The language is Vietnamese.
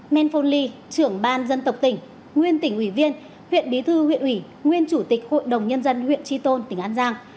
menphol ly trưởng ban dân tộc tỉnh nguyên tỉnh ủy viên huyện bí thư huyện ủy nguyên chủ tịch hội đồng nhân dân huyện tri tôn tỉnh an giang